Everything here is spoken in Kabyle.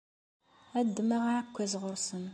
Ad d-ddmeɣ aɛekkaz ɣur-sen.